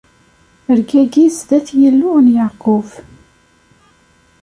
Rgagi sdat Yillu n Yeɛqub.